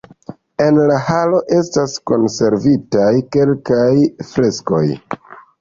En la halo estas konservitaj kelkaj freskoj.